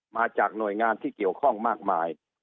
มาจากหน่วยงานที่เกี่ยวข้องมากมาย